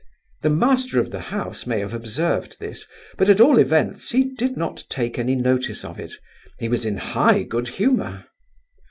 The master of the house may have observed this, but at all events he did not take any notice of it; he was in high good humour.